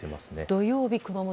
土曜日の熊本